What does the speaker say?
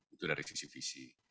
itu dari sisi visi